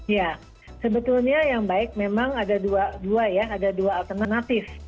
ya sebetulnya yang baik memang ada dua alternatif